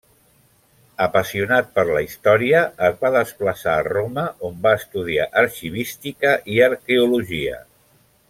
Apassionat per la història, es va desplaçar a Roma, on va estudiar arxivística i arqueologia.